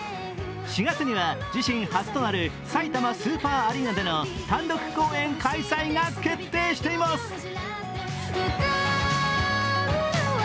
４月には、自身初となるさいたまスーパーアリーナでの単独公演開催が決定しています。